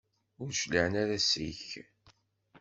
Ur d-cliɛen ara seg-k?